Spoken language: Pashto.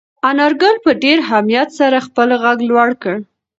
انارګل په ډېر همت سره خپل غږ لوړ کړ.